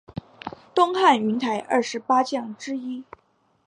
东汉云台二十八将之一。